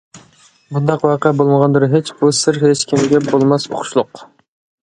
بۇنداق ۋەقە بولمىغاندۇر ھېچ، بۇ سىر ھېچكىمگە بولماس ئۇقۇشلۇق.